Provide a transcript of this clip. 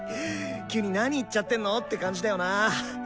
急になに言っちゃってんのって感じだよな！